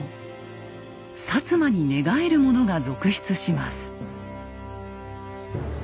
摩に寝返る者が続出します。